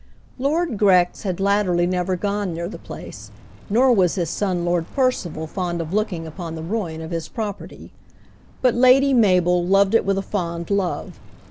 Lord Grex had latterly never gone near the place, nor was his son Lord Percival fond of looking upon the ruin of his property. But Lady Mabel loved it with a fond love.